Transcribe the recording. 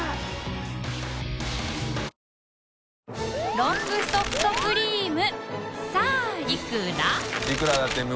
ロングソフトクリームさぁいくら？